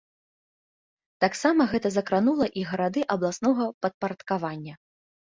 Таксама гэта закранула і гарады абласнога падпарадкавання.